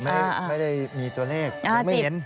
ไม่ได้มีตัวเลขหรือไม่เห็น